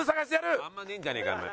あんまねえんじゃねえかお前。